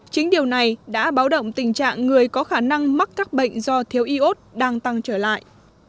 chính điều này đã báo động tình trạng người có khả năng mắc các bệnh do thiếu iốt đang tăng trở lại